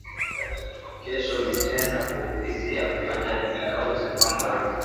Kesho mitenda ku ofisi ya viwanja nika uze mpango yangu